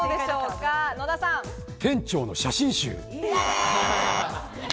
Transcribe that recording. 店長の写真集。